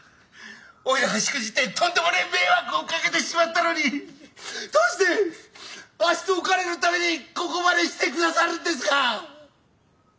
おいらがしくじってとんでもねえ迷惑をかけてしまったのにどうしてあっしとおかねのためにここまでして下さるんですか！